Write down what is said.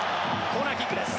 コーナーキックです。